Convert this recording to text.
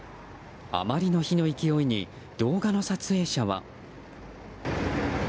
あまりの火の勢いに動画の撮影者は。